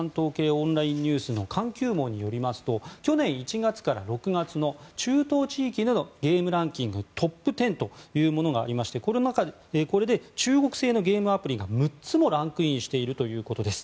オンラインニュースの環球網によりますと去年１月から６月の中東地域でのゲームランキングトップ１０というものがありましてこれで中国製のゲームアプリが６つもランクインしているということです。